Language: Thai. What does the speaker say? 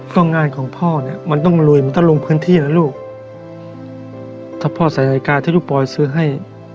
ก็งานของพ่อเนี่ยมันต้องลุยมันต้องลงพื้นที่นะลูกถ้าพ่อใส่นาฬิกาที่ลูกปอยซื้อให้